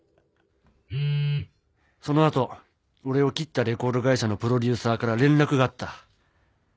その後俺を切ったレコード会社のプロデューサーから連絡があった。